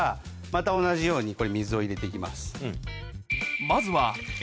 また同じように水を入れて行きます。